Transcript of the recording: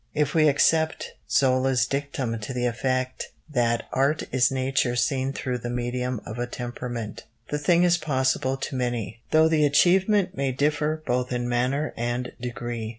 If we accept Zola's dictum to the effect that art is nature seen through the medium of a temperament, the thing is possible to many, though the achievement may differ both in manner and degree.